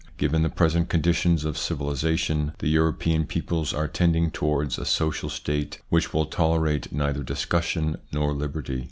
Given the present conditions of civili sation, the European peoples are tending towards a social state which will tolerate neither discussion nor liberty.